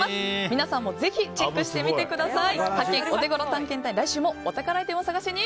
皆さんもぜひチェックしてみてください。